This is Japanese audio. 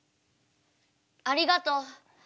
ありがとう。